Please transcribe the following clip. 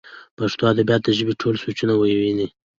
پښتو ادبيات د ژبې ټول سوچه وييونو